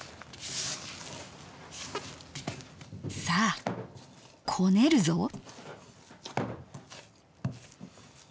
さあこねるぞ！